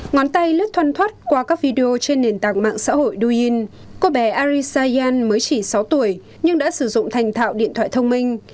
ngón tay lướt thoăn thoát qua các video trên nền tảng mạng xã hội douyin cô bé arisa yan mới chỉ sáu tuổi nhưng đã sử dụng thành thạo điện thoại thông minh